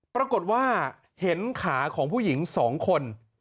ปรากฏว่าเห็นขาของผู้หญิง๒คน